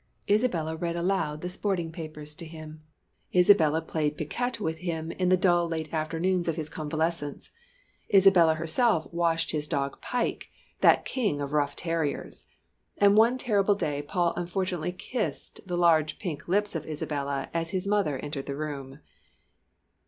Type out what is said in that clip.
Isabella read aloud the sporting papers to him Isabella played piquet with him in the dull late afternoons of his convalescence Isabella herself washed his dog Pike that king of rough terriers! And one terrible day Paul unfortunately kissed the large pink lips of Isabella as his mother entered the room.